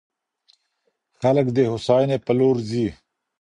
خلګ د هوساینې په لور ځي.